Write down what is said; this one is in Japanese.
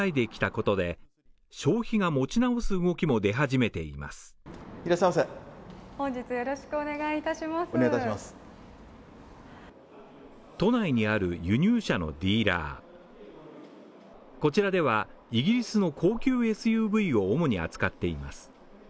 こちらでは、イギリスの高級ＳＵＶを主に扱っています。